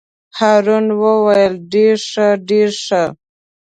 هارون وویل: ډېر ښه ډېر ښه.